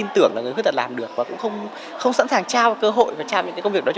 tưởng là người khuyết tật làm được và cũng không sẵn sàng trao cơ hội và trao những cái công việc đó cho